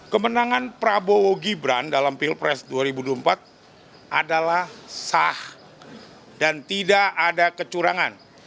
kemenangan prabowo gibran dalam pilpres dua ribu dua puluh empat adalah sah dan tidak ada kecurangan